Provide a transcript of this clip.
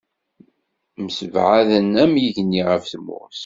Msebɛaden am yigenni ɣef tmurt.